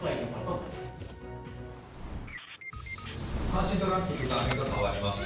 関心度ランキング画面が変わります。